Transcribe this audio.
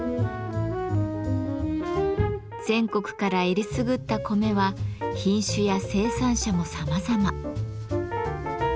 全国から選りすぐった米は品種や生産者もさまざま。